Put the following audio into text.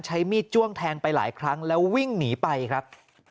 ใช้มีดจ้วงแทงไปหลายครั้งแล้ววิ่งหนีไปครับ